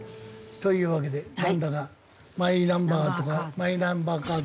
というわけでなんだかマイナンバーとかマイナンバーカード。